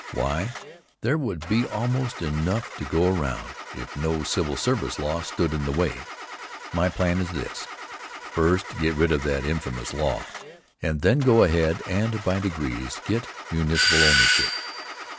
Why, there would be almost enough to go around, if no civil service law stood in the way. My plan is this: first get rid of that infamous law, and then go ahead and by degrees get municipal ownership.